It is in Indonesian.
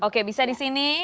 oke bisa di sini